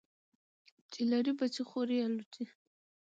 چی لری بچي خوري الوچی .